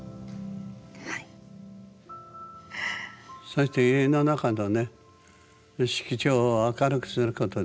そして家の中のね色調を明るくすることですね。